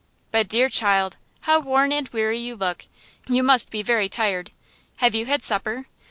But, dear child, how worn and weary you look! You must be very tired! Have you had supper?